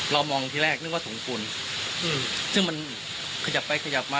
มองที่แรกนึกว่าถุงกุลซึ่งมันขยับไปขยับมา